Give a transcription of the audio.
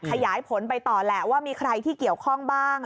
ขยายผลไปต่อแหละว่ามีใครที่เกี่ยวข้องบ้าง